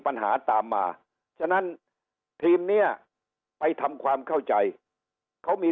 ปัญหาตามมาฉะนั้นทีมเนี้ยไปทำความเข้าใจเขามี